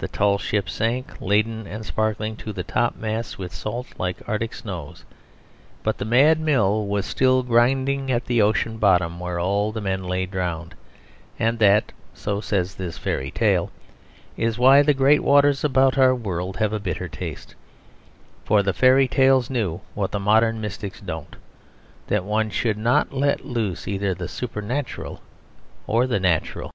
The tall ship sank, laden and sparkling to the topmasts with salt like Arctic snows; but the mad mill was still grinding at the ocean bottom, where all the men lay drowned. And that (so says this fairy tale) is why the great waters about our world have a bitter taste. For the fairy tales knew what the modern mystics don't that one should not let loose either the supernatural or the natural.